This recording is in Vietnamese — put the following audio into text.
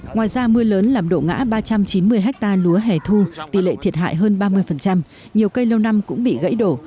ngoài ra mưa lớn làm đổ ngã ba trăm chín mươi ha lúa hẻ thu tỷ lệ thiệt hại hơn ba mươi nhiều cây lâu năm cũng bị gãy đổ